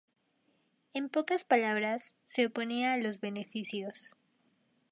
En pocas palabras, se oponía a los beneficios.